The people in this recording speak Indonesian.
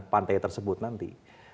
pantai tersebut nanti